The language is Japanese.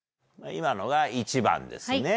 今のが１番ですね。